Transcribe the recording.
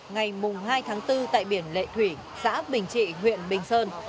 ngày hai tháng bốn tại biển lệ thủy xã bình trị huyện bình sơn